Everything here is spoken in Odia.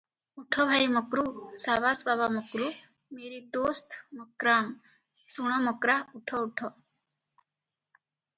“ଉଠ ଭାଇ ମକ୍ରୁ! ସାବାସ ବାବା ମକ୍ରୁ! ମେରି ଦୋସ୍ତ ମକ୍ରାମ୍! ଶୁଣ ମକ୍ରା, ଉଠ, ଉଠ ।